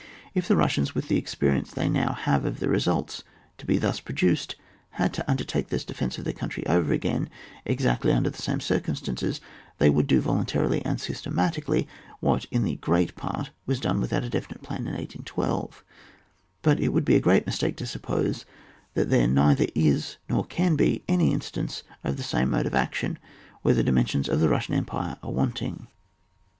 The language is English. If the Bussians with the experience they now have of the results to be thus produced, had to under take the defence of their country over again, exactly imder the same circum stances, they would do voluntarily and systematically what in great part was done without a definite plan in 1812; but it would be a great mistake to suppose that there neither is nor can be any instance elsewhere of the same mode of action where the dimensions of the Hussian empire are wanting.